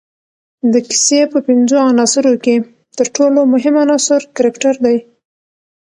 د کیسې په پنځو عناصروکښي ترټولو مهم عناصر کرکټر دئ.